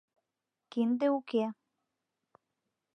Кинде уке.